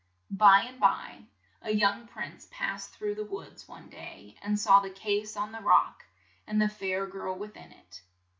By and by a young prince passed through the woods one day and saw the case on the rock, and the fair girl with in it.